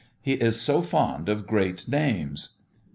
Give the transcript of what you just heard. He is so fond of great names."